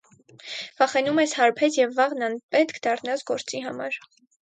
վախենում ես հարբես և վաղն անպետք դառնաս գործի համար: